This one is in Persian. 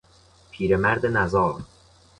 پیرمرد نزار